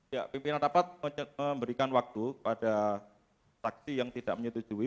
ya pimpinan rapat memberikan waktu pada saksi yang tidak menyetujui